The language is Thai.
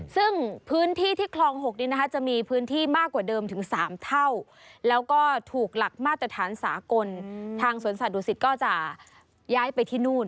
ซึ่งพื้นที่ที่คลอง๖นี้นะคะจะมีพื้นที่มากกว่าเดิมถึง๓เท่าแล้วก็ถูกหลักมาตรฐานสากลทางสวนสัตว์ดุสิตก็จะย้ายไปที่นู่น